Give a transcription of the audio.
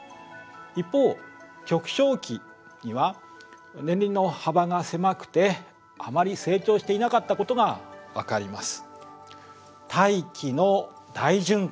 一方極小期には年輪の幅が狭くてあまり成長していなかったことが分かります。